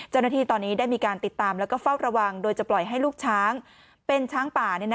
เจ้าหน้าที่ตอนนี้ได้มีการติดตามแล้วก็เฝ้าระวังโดยจะปล่อยให้ลูกช้างเป็นช้างป่า